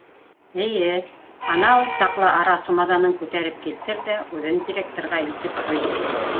Эйе... анау саҡлы ара сумаҙанын күтәреп килтер ҙә үҙен директорға илтеп ҡуй...